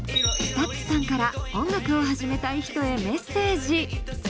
ＳＴＵＴＳさんから音楽を始めたい人へメッセージ。